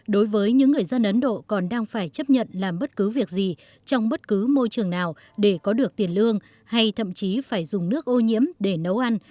đối với những người dân ấn độ còn đang phải chấp nhận làm bất cứ việc gì trong bất cứ môi trường nào để có được tiền lương hay thậm chí phải dùng nước ô nhiễm để nấu ăn